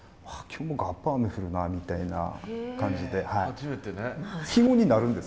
今日もがっぱ雨降るな」みたいな感じで。